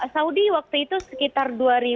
saudi waktu itu sekitar dua ribu dua belas